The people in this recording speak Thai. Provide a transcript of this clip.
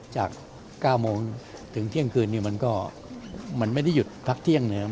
จาก๙โมงถึงเที่ยงคืนนี้มันก็มันไม่ได้หยุดพักเที่ยงนะครับ